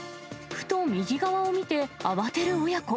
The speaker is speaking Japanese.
ふと右側を見て、慌てる親子。